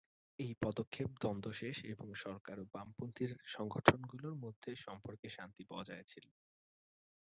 এই পদক্ষেপ দ্বন্দ্ব শেষ এবং সরকার ও বামপন্থী সংগঠনগুলির মধ্যে সম্পর্কে শান্তি বজায় ছিল।